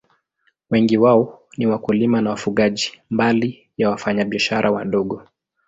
Wengi wao ni wakulima na wafugaji, mbali ya wafanyabiashara wadogo.